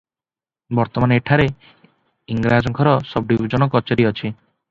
ବର୍ତ୍ତମାନ ଏଠାରେ ଇଂରାଜଙ୍କର ସବ୍ଡ଼ିବିଜନ କଚେରୀ ଅଛି ।